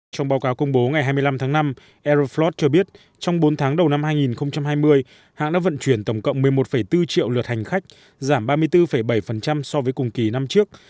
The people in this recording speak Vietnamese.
trong báo cáo công bố ngày hai mươi năm tháng năm aeroflot cho biết trong bốn tháng đầu năm hai nghìn hai mươi hãng đã vận chuyển tổng cộng một mươi một bốn triệu lượt hành khách giảm ba mươi bốn bảy so với cùng kỳ năm trước